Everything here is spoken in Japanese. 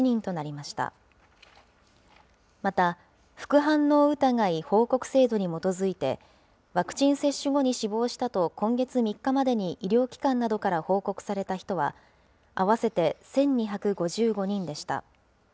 また、副反応疑い報告制度に基づいて、ワクチン接種後に死亡したと、今月３日までに医療機関などから報告された人は、合わせて１２５５人でした。